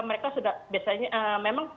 mereka sudah biasanya